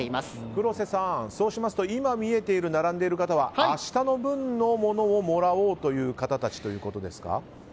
黒瀬さん、そうしますと今、見えている並んでいる方は明日の分のものをもらおうという方たちということですか。